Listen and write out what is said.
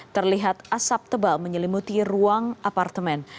terlihat asap tebal menyelimuti ruang apartemen